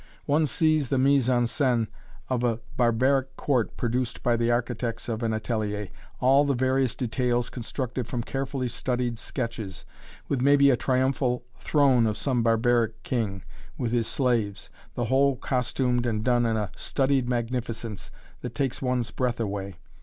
One sees the mise en scène of a barbaric court produced by the architects of an atelier, all the various details constructed from carefully studied sketches, with maybe a triumphal throne of some barbaric king, with his slaves, the whole costumed and done in a studied magnificence that takes one's breath away.